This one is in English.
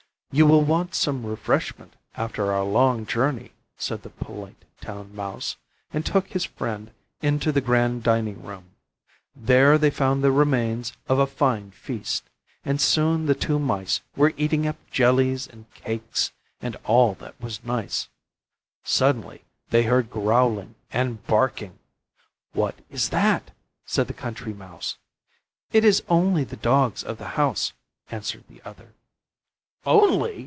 "You will want some refreshment after our long journey," said the polite Town Mouse, and took his friend into the grand dining room. There they found the remains of a fine feast, and soon the two mice were eating up jellies and cakes and all that was nice. Suddenly they heard growling and barking. "What is that?" said the Country Mouse. "It is only the dogs of the house," answered the other. "Only!"